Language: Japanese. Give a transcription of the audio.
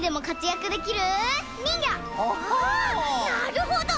あなるほど！